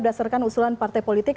berdasarkan usulan partai politik